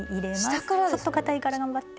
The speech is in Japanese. ちょっとかたいから頑張って。